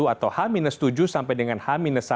atau h tujuh sampai dengan h satu